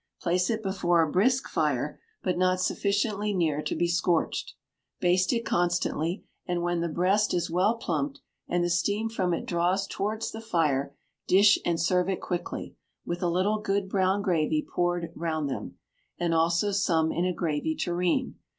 Place it before a brisk fire, but not sufficiently near to be scorched; baste it constantly, and when the breast is well plumped, and the steam from it draws towards the fire, dish and serve it quickly, with a little good brown gravy poured round them, and also some in a gravy tureen.